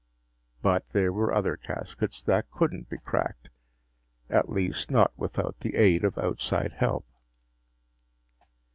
But there were other caskets that couldn't be cracked, at least without the aid of outside help.